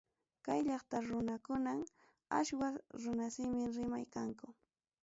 Kay llaqtakunam aswa runasimi rimay kanku.